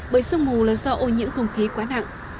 bởi sương mù là do ô nhiễm không khí quá nặng